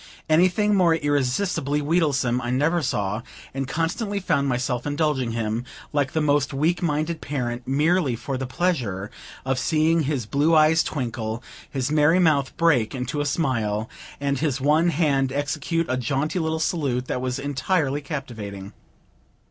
Anything more irresistibly wheedlesome I never saw, and constantly found myself indulging him, like the most weak minded parent, merely for the pleasure of seeing his blue eyes twinkle, his merry mouth break into a smile, and his one hand execute a jaunty little salute that was entirely captivating.